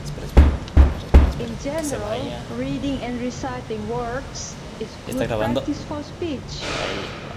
In general, reading and reciting words is good practice for speech.